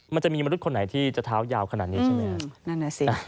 มันจะมีมนุษย์คนไหนที่จะท้าวอย่าวขนาดนี้ใช่ไหมฮะ